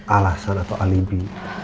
alasan atau alibi